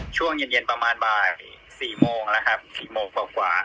ช่วงเย็นประมาณบ่าย๔โมงแล้วครับ